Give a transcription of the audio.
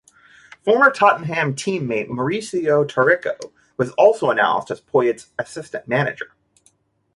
Former Tottenham teammate Mauricio Taricco was also announced as Poyet's assistant manager.